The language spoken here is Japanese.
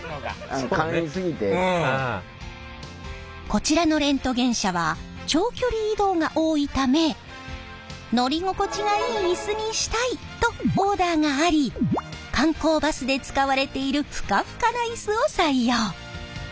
こちらのレントゲン車は長距離移動が多いため乗り心地がいいイスにしたいとオーダーがあり観光バスで使われているふかふかなイスを採用。